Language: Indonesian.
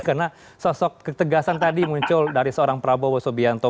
karena sosok ketegasan tadi muncul dari seorang prabowo sobianto